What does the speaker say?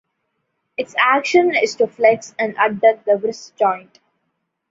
Its action is to flex and adduct the wrist joint.